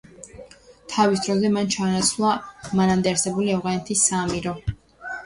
თავის დროზე, მან ჩაანაცვლა მანამდე არსებული ავღანეთის საამირო.